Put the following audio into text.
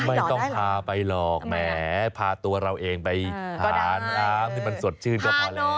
ไม่ต้องพาไปหรอกแหมพาตัวเราเองไปหาน้ำที่มันสดชื่นก็พอแล้ว